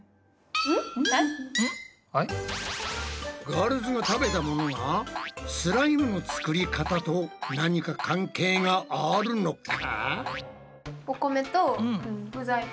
ガールズが食べたものがスライムの作り方と何か関係があるのか？